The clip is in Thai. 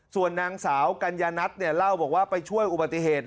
ส่วนนางสาวกัญญานัทเนี่ยเล่าบอกว่าไปช่วยอุบัติเหตุ